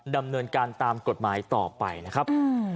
ดำเนินการตามกฎหมายต่อไปนะครับ